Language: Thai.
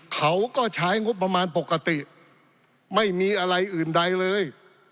เขาก็ใช้งบประมาณปกติไม่มีอะไรอื่นใดเลย